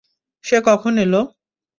সে কখন এলো?